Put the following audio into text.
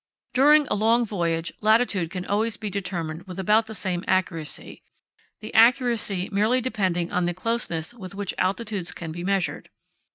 During a long voyage latitude can always be determined with about the same accuracy, the accuracy merely depending on the closeness with which altitudes can be measured.